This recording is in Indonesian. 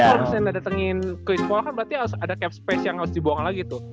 terus misalnya datengin chris paul kan berarti harus ada cap space yang harus dibuang lagi tuh